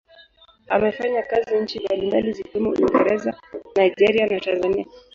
Amefanya kazi nchi mbalimbali zikiwemo Uingereza, Nigeria na Tanzania.